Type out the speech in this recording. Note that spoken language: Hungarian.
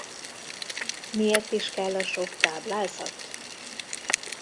Miért is kell a sok táblázat?